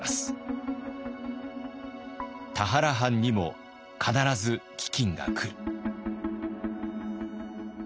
田原藩にも必ず飢饉が来る。